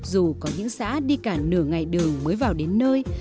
dù có những xã đi cả nửa ngày đường mới vào đến nơi